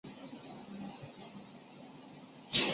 后来李嘉诚把中国的投资项目组成长江基建。